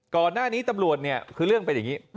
ก่อนหน้านี้ตำรวจเนี่ยคือเรื่องเป็นอย่างนี้